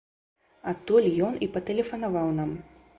Адтуль ён і патэлефанаваў нам.